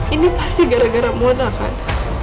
ini pasti gara gara monas kan